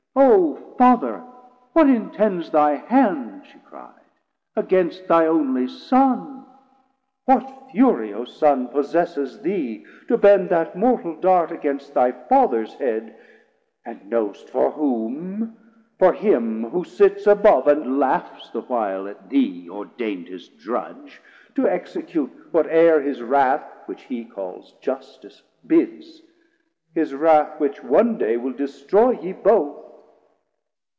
O Father, what intends thy hand, she cry'd, Against thy only Son? What fury O Son, Possesses thee to bend that mortal Dart Against thy Fathers head? and know'st for whom; 730 For him who sits above and laughs the while At thee ordain'd his drudge, to execute What e're his wrath, which he calls Justice, bids, His wrath which one day will destroy ye both.